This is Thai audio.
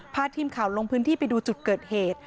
พาทีมข่าวลงพื้นที่ไปดูจุดเกิดเหตุ